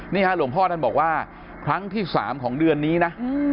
หลวงพ่อท่านบอกว่าครั้งที่๓ของเดือนนี้นะ